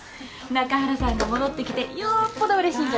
中原さんが戻ってきてよっぽどうれしいんじゃないですか？